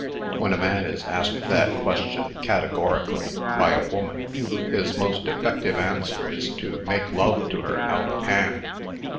"When a man is asked that question, categorically, by a woman, his most effective answer is to make love to her out of hand.